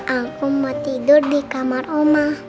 aku mau tidur di kamar rumah